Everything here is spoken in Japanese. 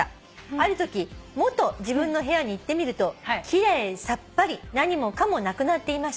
「あるとき元自分の部屋に行ってみると奇麗さっぱり何もかもなくなっていました」